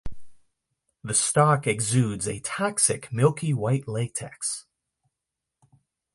The stalk exudes a toxic milky white latex.